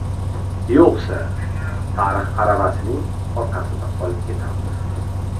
Yo‘qsa, tarix aravasining orqasida qolib ketamiz.